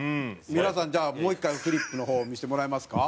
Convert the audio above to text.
皆さんじゃあもう一回フリップの方を見せてもらえますか？